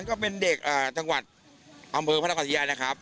มันก็เป็นเด็กจังหวัดภาคมือพระนักกษัตริยานะครับ